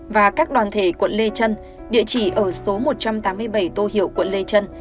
và các đoàn thể quận lê trân địa chỉ ở số một trăm tám mươi bảy tô hiệu quận lê trân